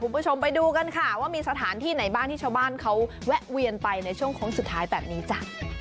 คุณผู้ชมไปดูกันค่ะว่ามีสถานที่ไหนบ้างที่ชาวบ้านเขาแวะเวียนไปในช่วงโค้งสุดท้ายแบบนี้จ้ะ